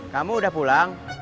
kamu udah pulang